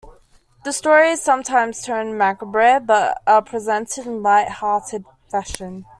The stories sometimes turn macabre, but are presented in a lighthearted fashion.